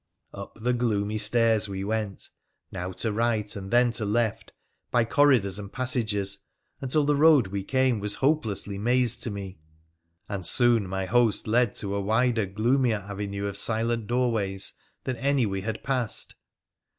Up the gloomy stairs we went, now to right and then to left, by corridors and passages, until the road we came was hopelessly mazed to me ; and soon my host led to a wider, gloomier avenue of silent doorways than any we had passed.